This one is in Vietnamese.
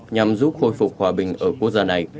nhằm giúp khôi phục hòa bình ở quốc gia này